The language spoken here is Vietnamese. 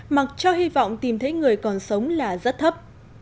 mặc cho hy vọng tìm thấy người còn sống là rất thấp